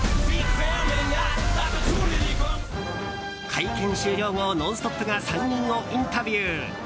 会見終了後「ノンストップ！」が３人をインタビュー。